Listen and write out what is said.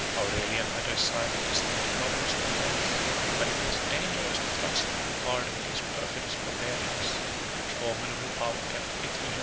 31 Aurelian had resigned a distant province to the Goths; but it was dangerous to trust or to pardon these perfidious barbarians, whose formidable power kept Italy itself in perpetual alarms.